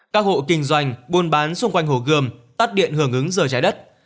các hộ kinh doanh buôn bán xung quanh hồ gươm tắt điện hưởng ứng giờ trái đất